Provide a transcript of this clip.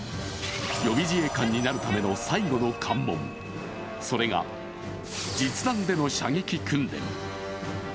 予備自衛官になるための最後の関門、それが実弾での射撃訓練。